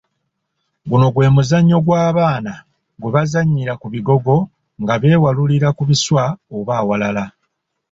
Guno gwe muzannyo gw'abaana gwe bazannyira ku bigogo nga beewalurira ku biswa oba awalala.